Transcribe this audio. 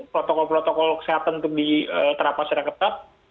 protokol protokol kesehatan untuk diterapasi reketat